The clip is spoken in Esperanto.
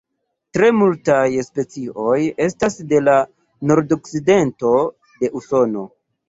Tre multaj specioj estas de la nordokcidento de Usono.